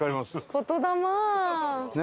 言霊！